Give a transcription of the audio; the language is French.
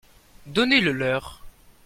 Donnez-le leur.